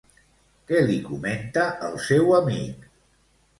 Què li comenta el seu amic?